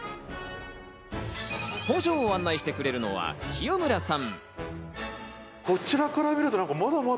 工場を案内してくれるのは清村さん。